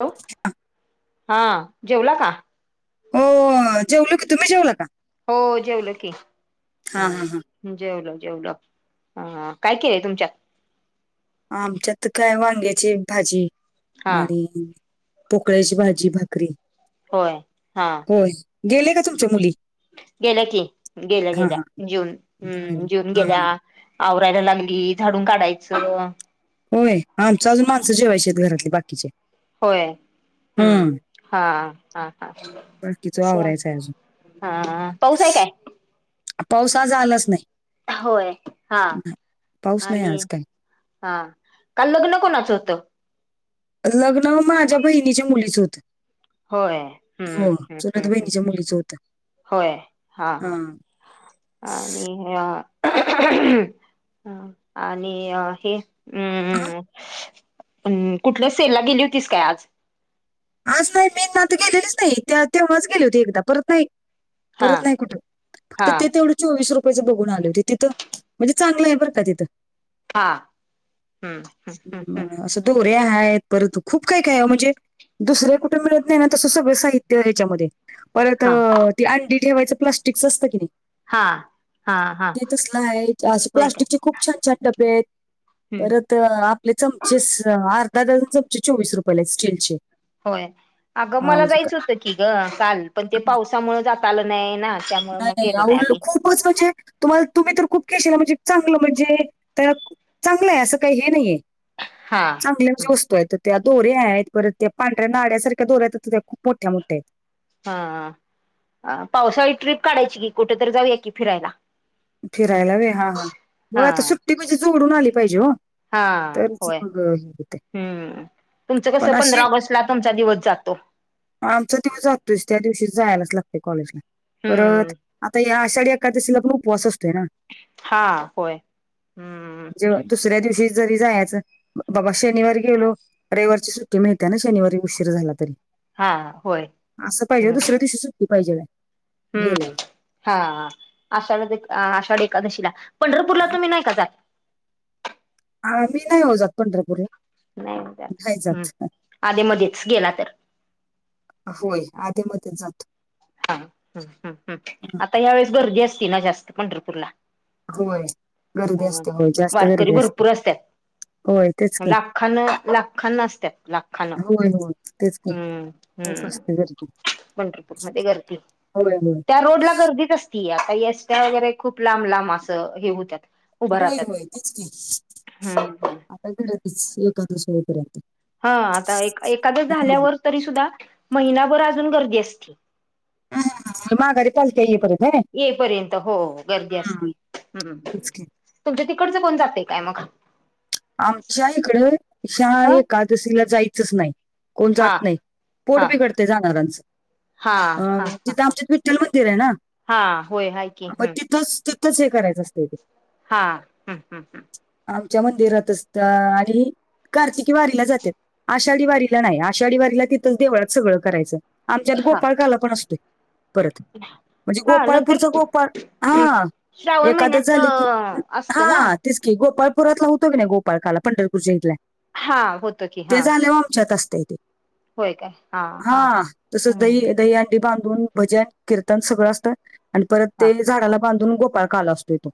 Hello हा जेवला का? हो जेवल की तुम्ही जेवल का? हो जेवलं की हा ह. हा जेवलं जेवलं काय केलंय तुमच्यात. आमच्यात काय वांग्याची भाजी हा आणि पोकळ्याची भाजी भाकरी होय हा. होय गेले का तुमच्या मुली गेलं की गेलं हा गेल्या हा जून बर हम् जून हा हा गेल्या. आवरायला लागली झाडून काढायचं. होय आमच अजून माणसं जेवायची आहेत घरातले बाकीचे होय हम्म हा हा हा. बाकीचं अछ आवरायचं आहे अजून हा पाऊस आहे काय? पावसाज आलाच नाही. होय हा नाही, पाऊस नाही आणि आज काय हा काल लग्न कोणाचं होतं. लग्न माझ्या बहिणीच्या मुलीच होत. होय हम्म हम्म हम्मम् मुलीचं होतं होय हा ह. अ आणि ह. आणि हे हा? हम्. कुठल्या सेलला गेली होतीस काय आज. आज नाही मी ना तर गेलेलीच नाही त्या तेव्हाच गेले होती एकदा परत नाही. हा परत नाही कुठे फक्त हा ते तेवढं. चोवीस रुपयाेच बघून आले होते तिथं म्हणजे चांगलं आहे बर का तिथं. हा हम्म हम्म हम्म हम्म असं दोरे आहेत परंतु खूप काय खय म्हणजे दुसरे कुठे मिळत नाही ना तसं सगळं साहित्य ह्याच्यामध्ये परत हा ती अंडी ठेवायचं प्लास्टिकचं असतं कि नाही हा हा हा [unintelligible] ते तसला आहे असे होय काय प्लास्टिकचे खूप प छान छान टप्पे आहेत हम्म परत [unintelligible] तर आपले चमचेस अर्धा डझन चमचे चोवीस रुपयेला आहेत स्टीलचे होय अगं हा मला म्हणजे क- जायचं होतं की ग काल पण ते पावसामु जात आलं नाही ना त्याच्यामुळे मग गेलो नाही आम्ही [unintelligible] हो म्हणजे तुम्हाला तुम्ही तर खूप केशला म्हणजे चांगलं म्हणजे त्या चांगलं आहे असं काही हे नाहीये [unintelligible] हा [unintelligible] चांगल्या अ वस्तू आहेत त्या दोऱ्या आहेत परत त्या पांऱ्या नाड्यासारख्या दोऱ्या आहेत त्या खूप मोठ्या मोठ्या आहेत हा पावसाळी ट्रिप काढायची की कुठेतरी जाऊया की फिरायला फिरायला वे हा ह बघ हा आता सुट्टी म्हणजे जोडून आली पाहिजे हो हा होय [unintelligible] हम ह ते [unintelligible] हम्म तुमचं कसं पंधरा ऑगस्ट ला तुमचा दिवस जातो आमच तेव जातोयस त्या दिवशी जायलाच लागते कॉलेजला हम्म परत आता या आषाढी का त्याशी लग्न उपवास असतोय ना [unintelligible] हा होय हम्म [unintelligible] जे दुसऱ्या दिवशी जरी जायचं बाबा शनिवार गेलो रविवारची सुट्टी मिळते्या ना शनिवारी उशीर झाला तरी हा होय [unintelligible] असं पाहिजे हम्म दुसऱ्या दिवशी सुट्टी पाहिजे हम्म गेल्यावर हा आषाढ आषाढी एकादशीला पंढरपूरला आ- तुम्ही नाही का जात अ मी नाही येजात पण बूर [unintelligible] नाही हम्म आधी मध्येच गेला तर होय आधे मध्ये जातो [unintelligible] हा ह हम् हम् आता या्यावेेळेस गर्दी असती ना जास्त पंढरपूरला होय गर्दी ह असते होय जास्त वारकरी गर्दी असते भरपूर असतात होय ते [unintelligible] लाखान लाखानना असत्या लाखानं [unintelligible] होय हो [unintelligible] हम्म हम्म बंरपूर म गर्दी होय होय त्या रोड ला गर्दीच [unintelligible] ती आता एसट वगैरे खूप लांब लांब असं हे होत होय होय तच क हम्म. आता घरं तेच एखाद सोपऱ्या हा आता एखादं झाल्यावर तरी सुद्धा महिनाभर अजून गर्दी असते तुम गडीपाल के [unintelligible] ये पर्यंत हो गर्दी असते हम् तेच की तुमच्या तिकडचं कोण जाते काय मग [unintelligible] आमच्या इकड शा ह एकादशीला जायचंच नाही कोण जात हा नाही पोट हा बिघडतय जाणाऱ्यांच हा अ हा हा तिथं हा. आमच विठ्ठल मंदिर आहे ना हा होय हाय की मग हम्म तिथंच हे करायचं असते ते हा हम्म हम्म हम्म. आमच्या मंदिरात आणि [unintelligible] कार्तिकी वारीला जाते आषाढी वारीला नाही आषाढी वारीला तिथंच देवळात सगळं करायचं आमच्यात हा गोपाळकाला पण असतय [unintelligible] [unintelligible] [unintelligible] म्हणजे नंतर गोपाळपूरच हम्म. गोपाळ हा श्रावण एकादस महिन्यात झाले की असतं ना हा तेच गोपाळपुरातला होतो की नाही गोपाळकाला पंढरपूरच्या हितला हा होतं की [unintelligible] ते हा झाल्यावर आमच्यात असतय ते. हा तसच दही दही न बांधून भजन कीर्तन सगळं असतं आणि परत हा ते झाडाला बांधून गोपाळ काल असतो तो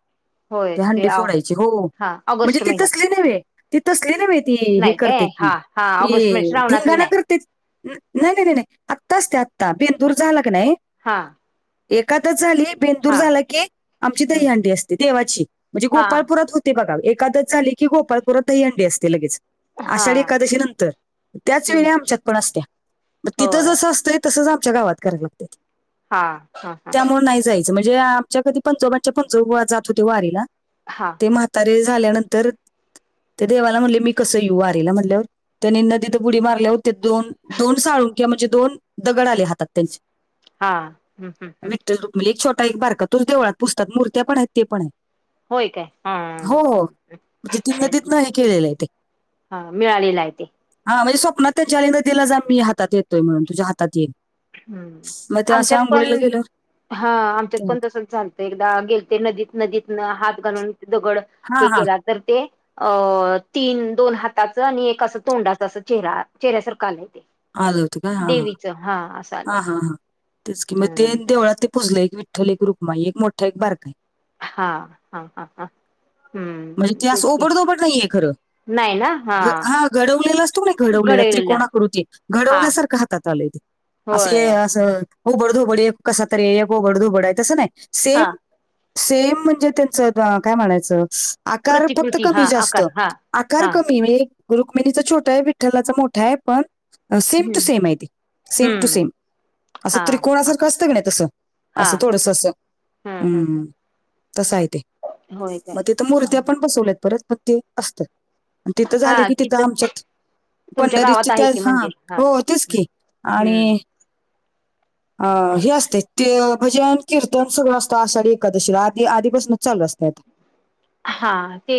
होय ती ते हंडी आ फोडायची हो हा ऑगस्ट म्हणजे महिन्यात तसली न्हवे. ती तसली न्हवे ती हे नाही काय करतेेत ती हा हा ऑगस्ट महिन्यात ती श्रावणातली ठिंगाणा नाही करतेत नाही नाही नाही नाही आत्ताच ते आत्ता बेंदूर झाला की नाही हा एकादस झाली. बेंदूर हा झाला की आमची हम्म दहंडी असते देवाची म्हणजे हा गोपालपुरात होते बघा एकदस झाली की गोपाळपुरातही हंडी असते लगेच. हा आषाढी एकादशी नंतर त्याच हम्म वेळी आमच्यात पण असत्या मग तिथं होय जसं असतंय तसच आमच्या गावात कराव लागतय. हा हा हा त्यामुळे नाही जाइत म्हणजे आमच्या कधी पंजोबांच्या पंजोबा जात होते वारीला. हां म्हातारे झाल्यानंतर ते देवाला म्हणले मी कसं येऊ वारीला म्हणल्यावर त्यानी नदीत उडी मारल्या होत्या दोन दोन साळून किंवा म्हणजे दोन दगड आले हातात त्यांच्या हा हम् हम् ह् एकछोटा एक बारका तोच देवळात पूजतात मुर्त्या पण आहेत ते पण आहेत. होय काय? हम म्हणजे ती नदीतन हे केलेलं आहे ते. हा मिळालेला आहे ते हा म्हणजे स्वप्नात त्याच्या नदीला जा मी हात येतोय म्हणून तुझ्या हात येईन. हम्म मग ते अशा आमच्यात आंघोळीला पण गेल्यावर हा आमच्यात ते- पण म्हणतात, तसच झालंत. एकदा गेलते नदीत नदीतन हात घालून दगड हा हे हा केला तर ते अ तीन दोन हाताचं आणि एक असं तोंडाच असं चेहरा चेहऱ्यासारखा आलाय ते आलं होत का हा ह देवीचं हा असं हा आलंय. हा हां तेच कि म ते हम्म. देवळात ते पुजलंय एक विठ्ठल एक रुखमाई एक मोठा एक बारकय. हा हा हा हा म्हणजे हम्म ते अस तेच की ओबड दोबड नाहीये खरं‌. नाही ना. हा घडवलेला असतो की नाही घडवलेला त्रिकोणाकृती हा घडवल्यासारखं हातात आलय ते अस होय अस ओबड धोबड एक कसा तरी ये एक ओबड धोबड तसं नाय हा सेम सेम म्हणजे त्यांचं काय म्हणायचं? आकार फक्त प्रतिकृती हा कमी जास्त आकार हा आकार हा कमी रुक्मिणीचा छोटा आहे विठ्ठलाचा मोठा आहे पण सेम टू हम्म सेम आहे ते सेम टू हम्म सेम. असं हा त्रिकोणा हा सारखं असतं कणी तसं हा असं थोडस असं हम्म. तस आहे ते होय काय मग तिथं मूर्ती पण बसवल्यात परत मग ते असतय. तिथं झाल की तिथं आमच्यात तुमच्या पंढरीची गावात त्या आहे की हा मंदिर हो तस हम्म की आणि हम्म अ हे असते ते म्हजेन कीर्तन सगळं असतो आषाढी एकादशीला आधी आधीपासूनच चालू असतात. हा ते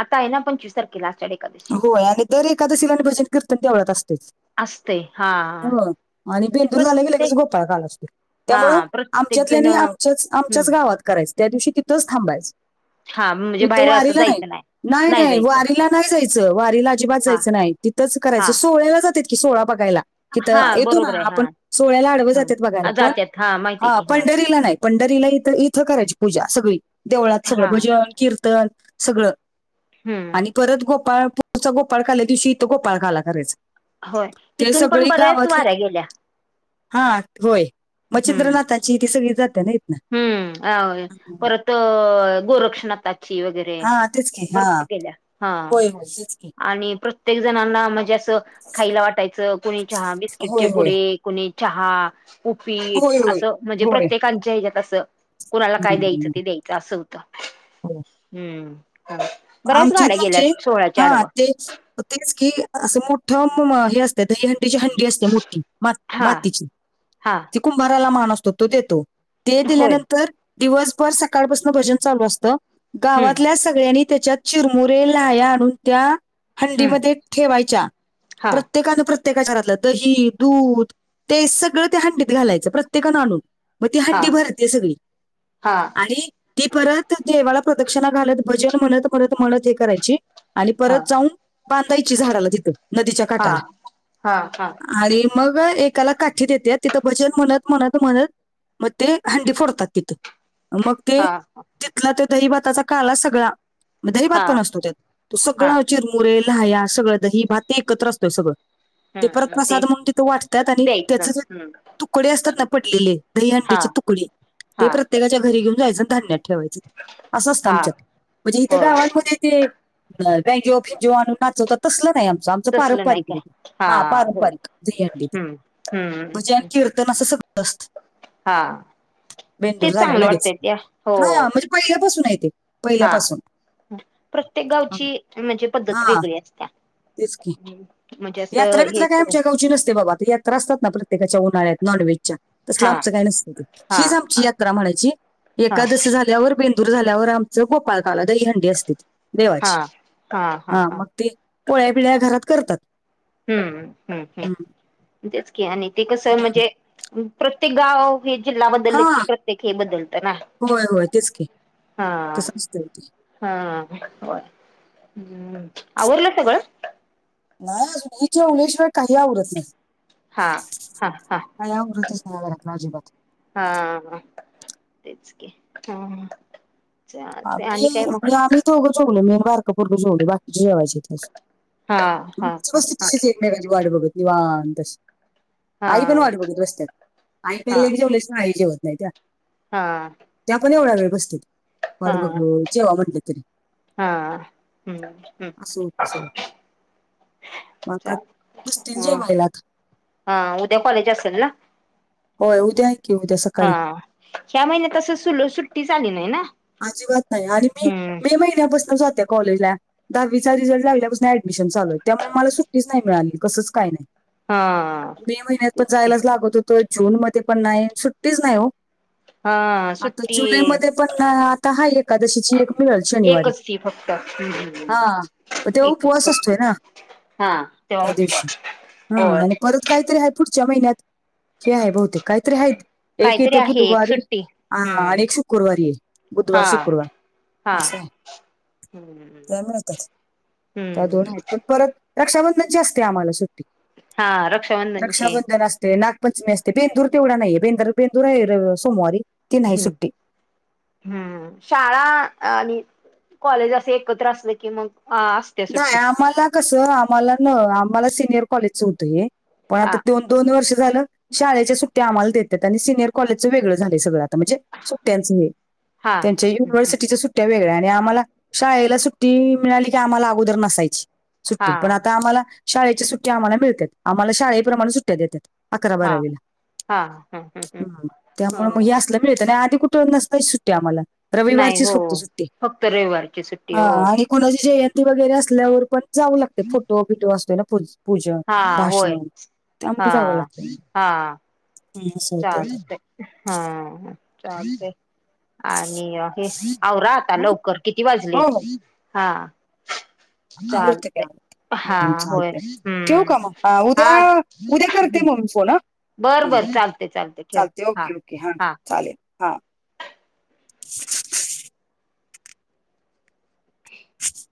आता आहे ना पंचवीस तारखेला आषाढी एकाद होय आणि दर एकादशीला भजन कीर्तन देवळात असतय. असतय हा हो आणि ते बेंदूर झाला की लगेच प्रत्येक गोप्पाळकाला असततोय. हा त्यामुळ प्रत्येक जण आमच्यातल्यानी हम्म आमच्याच आमच्याच गावात करायचं त्या दिवशी तिथंच थांबायच. हा म्हणजे इथ बाहेर असं वारीला नाही जायचं नाही नाही जायचं वारीला नाही जायचं वारीला अजिबात हा जायचं नाही तिथंच हा करायचं सोह्याला जातात की सोळा बघायला. हा किथं येतो ना बरोबर आहे आपण हा सोहळ्याला आडव जातेत बघायला हा पण जात्यात माहिती हा आहे की पंढरीला नाही पंढरीला इथ इथं करायची पूजा सगळी. देवळात सगळं हा भजन कीर्तन सगळं हम्म आणि परत गोपाळ पुढचा गोपाळ काल्या दिवशी इथं गोपाळ काला करायचा. होय ते ईथून पण सगळी बऱ्याच गावातले वाऱ्या गेल्या. हा होय हम्म चंद्रनाथांची ती सगळी जात्या नाई हम्म अ परत गोरक्षणाता ची वगैरे हा तेच की हा भरपूर गेल्या हा होय होय तेच की आणि प्र प्रत्येक जणांना म्हणजे असं खायला वाटायचं कुणी चहा बिस्किटचे होय होय पुडे कुणी चहा ऊपीट होय होय असं म्हणजे होय प्रत्येकांच्या ह्याच्यात अस कुणाला काय द्यायचं हम्म, ते द्यायचं असं हुतं हो हम्म बऱ्याच आमच्यात गाड्या म्हणजे गेल्यात सोळाच्या हा आडवं तेच तेच की असं मोठं म हे असतय दही हंडीची हां डी असतीय मोठी मा हा मातीची हा ती कुंभाराला मान असतो तो देतो. ते होय दिल्यानंतर दिवसभर सकाळपासून भजन चालू असतं हम्म गावातल्या सगळ्यांनी त्याच्यात चिरमुरे लाह्या आणून त्या हम्म हंडीमध्ये ठेवायच्या हा प्र त्येकान प्रत्येकाचा घरातलं दही, दूध ते सगळं त्या हंडीत घालायचं प्रत्येकानं आणून मग ती हा हंडी भरतीय सगळी हा आणि ती परत देवाला प्रदक्षिणा घालत भजन म्हणत म्हणत म्हणत हे करायची आणि हा परत जाऊन बांधायची झाडाला तिथं नदीच्या हा काटाला हा हा आणि मग एकाला काठी देत्यात तिथं भजन म्हणत म्हणत म्हणत मग ते हंडी फोडतात तिथं मग ते हा तिथला त्या दही भाताचा काळा सगळा म दही भात हा पण असतो त्यात तो हा सगळं चिरमुरे ल्हाया सगळं दही भात ते एकत्र असतोय सगळं ते परत हम्म मग प्रसाद म्हणून तिथ वाटत्यात आणि द्यायचं त्याचे जे हम्म तुकडे असतात ना पडलेले हा दहीहंडीचे तुकडे ते हा प्रत्येकाच्या घरी घेऊन जायचं धान्यात ठेवायचं असं असतं हा आमच्यात. म्हणजे इथं होय गावांमध्ये तेे ब्यँजो फिंजो आणून नाचवतात. तसलं नाही आमचं आमचं तसलं नाही काय पारंपरिक हा होय पारंपरिक दही हंडी ती हम्म भजन हम्म कीर्तन असं सगळं असतं. हा तेच चांगलं वाटतंय त्या हो पहिल्यापासूनय ते हा पहिल्यापासून प्रत्येक गावची म्हणजे पद्धत हा वेगळी असत्या. तेच की हम् म्हणजे असं यात्रा हे बित्रा काय सगळ आमच्या गावची नसते बाबा त्या यात्रा असतात ना प्रतेकाच्या उन्हाळ्यात नॉनव्हेजच्या तसलं हा आमचं काही नसत ते हा हीच हा आमची यात्रा म्हणायची हा एकादशी झाल्यावर बे दूर झाल्यावर आमचं गोपाळकाला दहीहंडी असते हा देवाची हा मग ते पोळ्या बिळ्या घरात करतात. हम्म हम्म हम्म तेच की आणि ते कसं हम्म. म्हणजे प्रत्येक गाव हे जिल्हा हा बदल कि प्रत्येक हे बदलत ना हा तस असतंय ते हा होय हम् आवरलं सगळ नाय अजून हि जेवल्याशिवाय काही आवरडत नाय. हा हा हा आवरतच नाही घरातलं अजिबात. हा तेच कि हम आ मी मी आम्ही दोघ जेवलो मी अन बारक पोरगं जेवलो बाकीची जेवायचात अजून हा हा हा हा [unintelligible] [unintelligible] वाट बघत निवांत अशी हा आई पण वाट बघत बसत्यात आई काय हा लेक जेवल्याशिवाय आई जेवत नाहीत्या. हा त्या पण एवढा वेळ बसत्यात हा वाट बघ जेवा म्हणलं तरी हा हम्म हम्म असं म आता बसतील चालतंय जेवायला हा उद्या कॉलेज असेल ना? हो उद्या की उद्या हा सकाळी ह्या महिन्यातसं सुल सुट्टी झाली नाही ना अजीबात नाही आणि मी हम्म मे महिन्यापासूनचाते कॉलेजला दहावी चा रिझल्ट लावल्यापासून ऍडमिशन चालूय त्यामुळे मला सुट्टीच नाही मिळाली कसंच काय नाही हा मे महिन्यात पण तेच की जायलाच लागत होतो जून मध्ये पण नाही सुट्टीच नाही हो हा आता सुट्टी जुलैमध्येध्ये पण नाही तहा एकादशीची एक मिळल शनिवारी एकच ती फक्त हम्म हा तेव तो एकच फक्त हा तेव्हा होय त्या काहीतरी आहे पुढच्या महिन्यात हे आहे बहुते काहीतरी आहेत एक काहीतरी येते आहे एक बुधवारी सुट्टी अ आणि हम्म एक शुक्रवारी आहे बुधवार हा शुक्रवार हा असं आहे हम्म त्या मिळतात त्या दोन हम्म आहेत पण परत रक्षाबंधनची असते आम्हाला सुट्टी हा रक्षाबंधनची रक्षाबंधन असते ना पंचमी असते बेंदूर तेवढा नाहीे बेंदूर बेंदूर आहे सोमवारी ती नाही हम्म सुट्टी हम्म शाळा अ नि कॉलेज असं एकत्र असलं की मग नाही सुट्टी आम्हाला कसं आम्हाला न आम्हाला सिनियर कॉलेजच होतंय पण हा आता त दोन वर्ष झालं शाळेच्या सुट्ट्या आम्हाला देतात आणि सिनियर कॉलेजचं वेगळ झा सगळं म्हणजे सुट्ट्यांच हा त्यांच्या युनिव्हर्सिटी सु सुट्ट्या वेगळ्या आणि आम्हाला शाळेला सुट्टी मिळाली की आम्हाला अगोदर नसायची हा सुट्टी पण हा आता आम्हाला शाळेच्या सु्टी आम्हाला मिळतात आम्हाला शाळेप्रमाणे सुट्ट हा हा हम्म हम्म ह आणि आधी कुठं नसताची सुट्टी आम्हाला नाही रविवारचीच हो फटतो सुट्टी फक्त रविवारची सुट्टी हा हो आणि कोणाची जयंती वगैरे असल्यावर पण जाऊ लागते फोटो बिटिओ असो पूजा हा होय भाषण तमन हा जागं लागत ना चालते हा चालते आणि राहता हं? लवकर किती वाजले हो हो हा आवडते ते चालते आवडते. हा हं, होय चालतंय ठेवू हम्म का मग उद्या हा उद्या करते मग मी फोन हा बर बरं चालते चालते ठेव हा चालेल हा ह